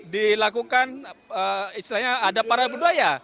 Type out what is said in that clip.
dilakukan istilahnya ada para berdua ya